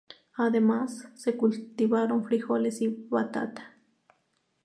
Además, se cultivaron frijoles y batata.